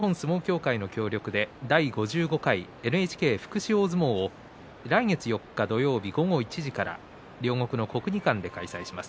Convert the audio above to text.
ＮＨＫとＮＨＫ厚生文化事業団では日本相撲協会の協力で第５５回ＮＨＫ福祉大相撲を来月４日土曜日午後１時から両国の国技館で開催します。